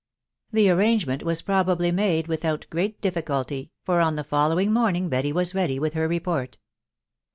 The arrangement was probably made without great diffi culty, for on the following morning Betty was ready with her report.